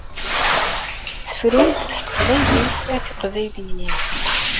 Sefrumt s teqbaylit a tiqbayliyin!